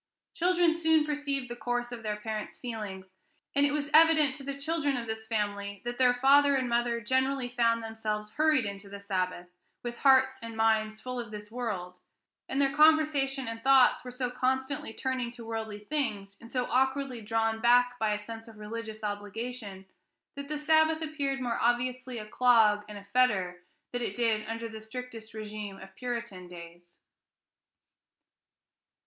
Children soon perceive the course of their parents' feelings, and it was evident to the children of this family that their father and mother generally found themselves hurried into the Sabbath with hearts and minds full of this world, and their conversation and thoughts were so constantly turning to worldly things, and so awkwardly drawn back by a sense of religious obligation, that the Sabbath appeared more obviously a clog and a fetter than it did under the strictest régime of Puritan days.